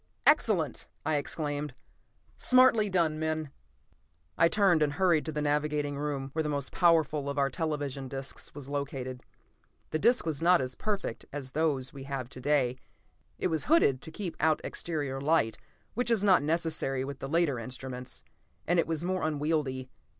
"Excellent!" I exclaimed. "Smartly done, men!" I turned and hurried to the navigating room, where the most powerful of our television discs was located. The disc was not as perfect as those we have to day; it was hooded to keep out exterior light, which is not necessary with the later instruments, and it was more unwieldy.